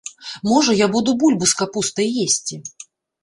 Можа, я буду бульбу з капустай есці!